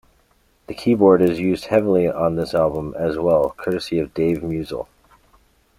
The keyboard is used heavily on this album, as well, courtesy of Dave Musel.